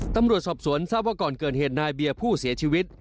ตำรวจสอบสวนทราบว่าก่อนเกิดเหตุนายเบียร์ผู้เสียชีวิต